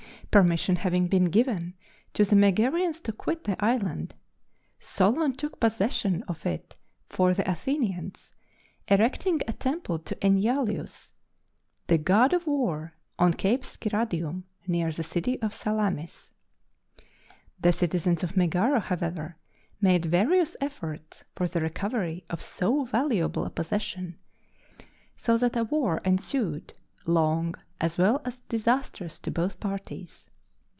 Permission having been given to the Megarians to quit the island, Solon took possession of it for the Athenians, erecting a temple to Enyalius, the god of war, on Cape Sciradium, near the city of Salamis. The citizens of Megara, however, made various efforts for the recovery of so valuable a possession, so that a war ensued long as well as disastrous to both parties.